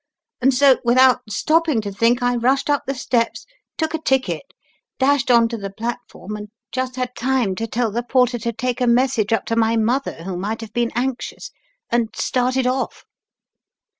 And so, without stopping to think, I rushed up the steps, took a ticket, dashed on to the platform, and just had time to tell the porter to take a message up to my mother, who might have been anxious and started off."